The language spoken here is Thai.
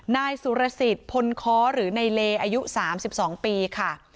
นายสุรสิทธิ์พลค้อหรือในเลอายุ๓๒ปีค่ะ